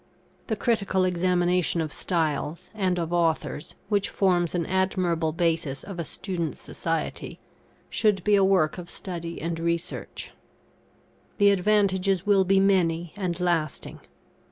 The critical examination of styles, and of authors, which forms an admirable basis of a student's society, should be a work of study and research. The advantages will be many and lasting.